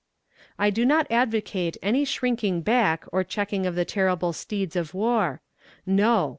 "I do not advocate any shrinking back or checking of the terrible steeds of war. No!